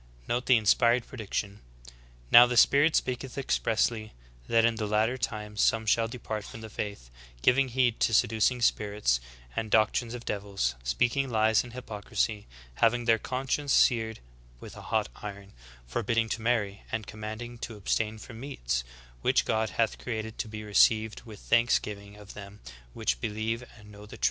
Note the inspired prediction : "Now the Spirit speaketh expressly, that in the latter times some shall depart from the faith, giving heed to seducing spirits and doctrines of devils; speaking lies in hypocrisy; having their conscience seared with a hot iron ; forbidding to marry, and commanding to abstain from meats, which God hath created to be received with thanksgiving of them v/hich believe and know the truth."